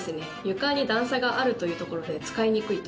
床に段差があるというところで使いにくいと。